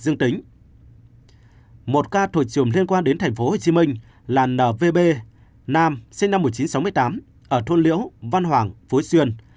nam sinh năm một nghìn chín trăm sáu mươi tám ở thuân liễu văn hoàng phú xuyên